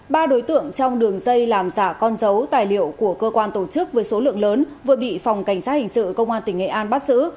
ba đối tượng trong đường dây làm giả con dấu tài liệu của cơ quan tổ chức với số lượng lớn vừa bị phòng cảnh sát hình sự công an tỉnh nghệ an bắt xử